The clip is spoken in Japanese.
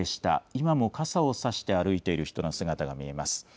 今も傘を差して歩いている人の姿が見えます。